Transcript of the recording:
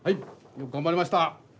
よく頑張りました。